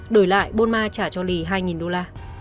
đổi lại bôn ma trả cho lì hai đô la